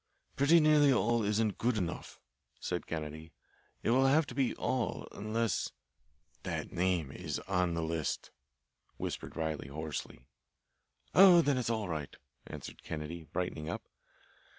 "Pretty nearly all isn't good enough," said Kennedy. "It will have to be all, unless " "That name is in the list," whispered Riley hoarsely. "Oh, then it's all right," answered Kennedy, brightening up.